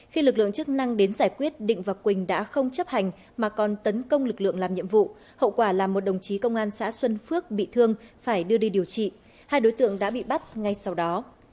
khi lực lượng chức năng đến giải quyết định và quỳnh đã không chấp hành mà còn tấn công lực lượng làm nhiệm vụ hậu quả là một đồng chí công an xã xuân phước bị thương phải đưa đi điều trị hai đối tượng đã bị bắt ngay sau đó